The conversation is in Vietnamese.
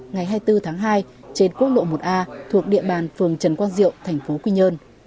ngày hai mươi bốn tháng hai trên quốc lộ một a thuộc địa bàn phường trần quang diệu thành phố quy nhơn